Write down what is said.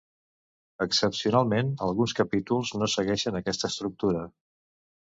Excepcionalment alguns capítols no segueixen aquesta estructura.